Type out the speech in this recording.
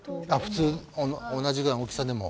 普通同じぐらいの大きさでも？